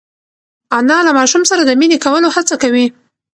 انا له ماشوم سره د مینې کولو هڅه کوي.